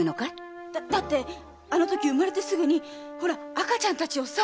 だってあのとき産まれてすぐほら赤ちゃんたちをさ。